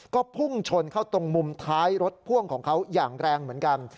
ก็พุ่งชนเข้าตรงมุมท้ายรถพ่วงของเขาอย่างแรงเหมือนกัน